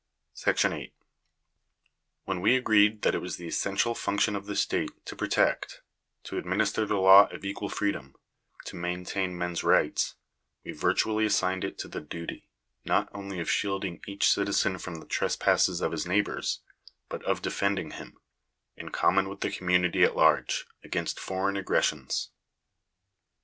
§8. When we agreed that it was the essential function of the state to protect — to administer the law of equal freedom— to maintain men's rights — we virtually assigned to it the duty, not only of shielding each citizen from the trespasses of his neigh bours, but of defending him, in common with the community at large, against foreign aggressions.